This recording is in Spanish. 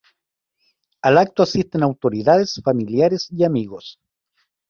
Al acto asisten autoridades, familiares y amigos.